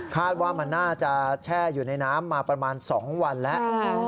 คาดว่ามันน่าจะแช่อยู่ในน้ำมาประมาณ๒วันแล้ว